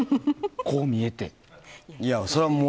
こう見えて。